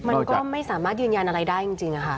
มันก็ไม่สามารถยืนยันอะไรได้จริงค่ะ